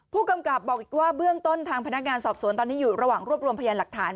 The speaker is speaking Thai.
ผู้กำกับบอกอีกว่าเบื้องต้นทางพนักงานสอบสวนตอนนี้อยู่ระหว่างรวบรวมพยานหลักฐาน